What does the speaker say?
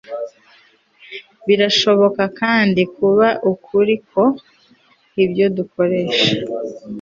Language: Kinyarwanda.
birashobora kandi kuba ukuri ko ibyo dukoresha